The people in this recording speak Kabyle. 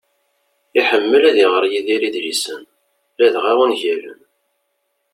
Iḥemmel ad iɣer Yidir idlisen, ladɣa ungalen.